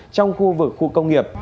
trong khu vực khu công nghiệp